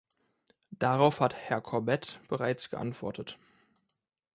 Darauf hat Herr Corbett bereits geantwortet.